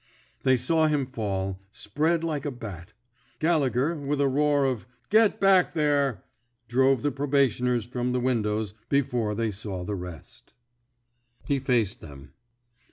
They saw him fall, spread like a bat. Gallegher, with a roar of Get back there 1 '' drove the probationers from the windows before they saw the rest. He faced them.